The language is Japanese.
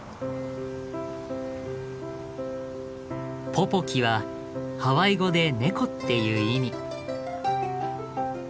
ポポキはハワイ語でネコっていう意味。